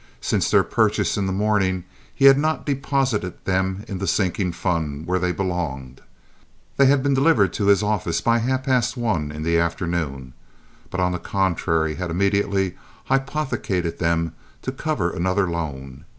Since their purchase in the morning, he had not deposited them in the sinking fund, where they belonged (they had been delivered to his office by half past one in the afternoon), but, on the contrary, had immediately hypothecated them to cover another loan.